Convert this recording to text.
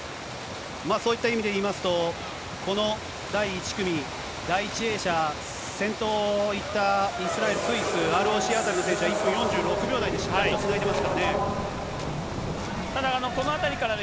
そういった意味でいいますと、この第１組、第１泳者、先頭を行ったイスラエル、スイス、ＲＯＣあたりの選手は１分４６秒あたりでつないでますからね。